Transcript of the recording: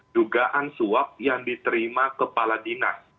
dugaan suap yang diterima kepala dinas